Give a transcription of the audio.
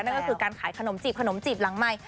นั่นก็คือการขายขนมจีบขนมจีบหลังใหม่